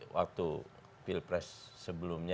waktu pilpres sebelumnya